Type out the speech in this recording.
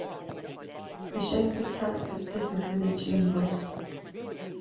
The shapes of characters differed with each linguist.